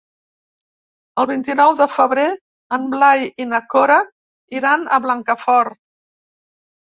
El vint-i-nou de febrer en Blai i na Cora iran a Blancafort.